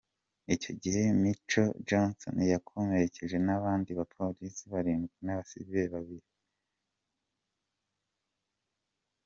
Icyo gihe Micah Johnson yakomerekeje n’abandi bapolisi barindwi n’abasivili babiri.